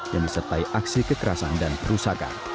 yang disertai aksi kekerasan dan kerusakan